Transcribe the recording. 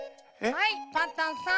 はいパンタンさん。